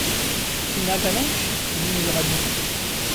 Une avalanche ? dit Mulrady.